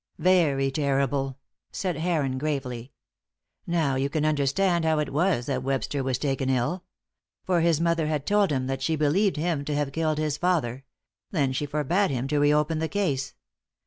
"Very terrible!" said Heron, gravely. "Now you can understand how it was that Webster was taken ill. For his mother had told him that she believed him to have killed his father; then she forbade him to re open the case.